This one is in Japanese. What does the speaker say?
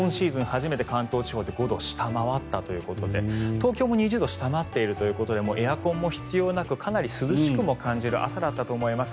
初めて関東地方で５度下回ったということで東京も２０度を下回っているということでエアコンも必要なくかなり涼しくも感じる朝だったと思います。